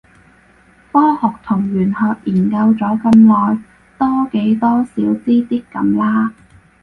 科學同玄學研究咗咁耐，多幾多少知啲咁啦